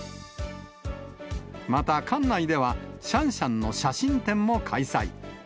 また館内では、シャンシャンの写真展も開催。